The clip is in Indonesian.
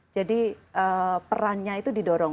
jadi perannya itu didorong